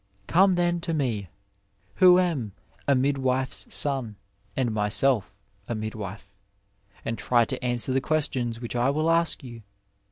Gome then to me, who am a midwife's son and myself a midwife, and try to answer the questions which I will ask you.